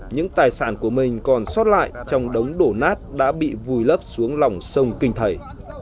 những tài sản của mình còn sót lại trong đống đổ nát đã bị vùi lấp xuống lòng sông kinh thầy